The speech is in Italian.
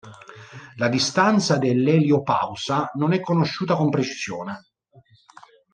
La distanza dell'eliopausa non è conosciuta con precisione.